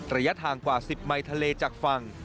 ระยะทางกว่า๑๐ไมค์ทะเลจากฝั่ง